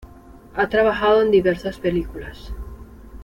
Ha trabajado en diversas películas.